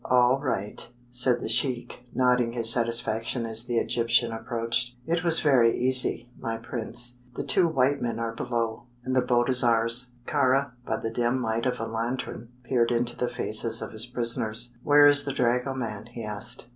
"All right," said the sheik, nodding his satisfaction as the Egyptian approached. "It was very easy, my prince. The two white men are below, and the boat is ours." Kāra, by the dim light of a lantern, peered into the faces of his prisoners. "Where is the dragoman?" he asked.